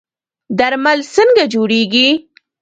درمل څنګه جوړیږي؟